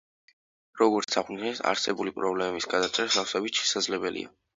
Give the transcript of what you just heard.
როგორც აღვნიშნეთ, არსებული პრობლემების გადაჭრა სავსებით შესაძლებელია.